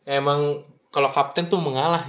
emang kalau kapten tuh mengalah